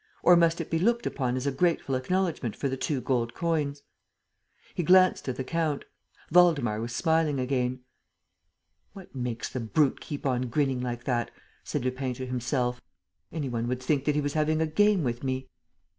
Or must it be looked upon as a grateful acknowledgment for the two gold coins? He glanced at the count. Waldemar was smiling again. "What makes the brute keep on grinning like that?" said Lupin to himself. "Any one would think that he was having a game with me."